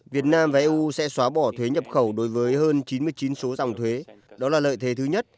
việt nam và eu sẽ xóa bỏ thuế nhập khẩu đối với hơn chín mươi chín số dòng thuế đó là lợi thế thứ nhất